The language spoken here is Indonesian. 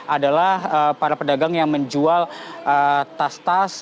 adalah para pedagang yang menjual tas tas